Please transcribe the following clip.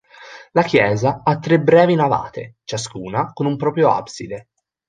La chiesa ha tre brevi navate, ciascuna con un proprio abside.